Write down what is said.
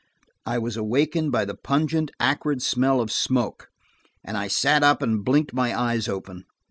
I was awakened by the pungent acrid smell of smoke, and I sat up and blinked my eyes open.